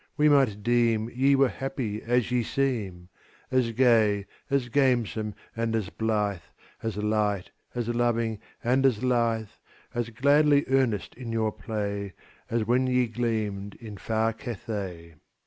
we might deem Ye were happy as ye seem As gay, as gamesome, and as blithe, As light, as loving, and as lithe, As gladly earnest in your play, As when ye gleamed in far Cathay.